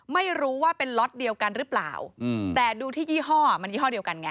ไม่รู้ว่าเป็นล็อตเดียวกันหรือเปล่าแต่ดูที่ยี่ห้อมันยี่ห้อเดียวกันไง